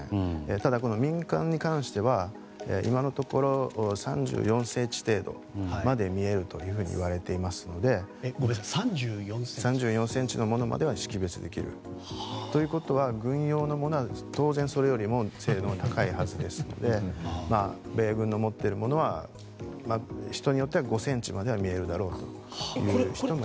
ただ、民間に関しては今のところ、３４ｃｍ程度見えるということですので３４ｃｍのものまでは識別できるということは軍用のものは当然、それよりも精度が高いはずですので米軍の持っているものは人によっては５ｃｍまでは見えるだろうという。